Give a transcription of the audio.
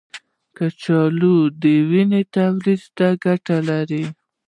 کچالو د وینې تولید ته ګټه لري.